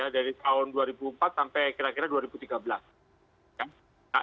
dari tahun dua ribu empat sampai kira kira dua ribu tiga belas